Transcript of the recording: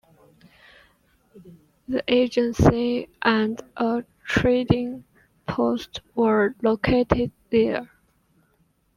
The agency and a trading post were located there.